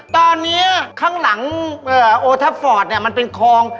ตอนนี้ข้างหลังโอทัฟฟอร์ตมันเป็นคลอง